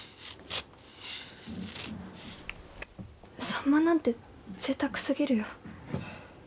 サンマなんてぜいたくすぎるよ。